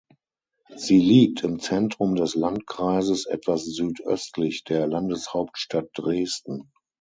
Sie liegt im Zentrum des Landkreises etwas südöstlich der Landeshauptstadt Dresden.